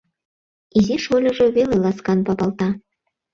Изи шольыжо веле ласкан папалта.